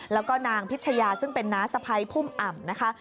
แล้วก็นางพิชยาซึ่งเป็นน้าสะพ้ายพุ่มอ่ำนะคะ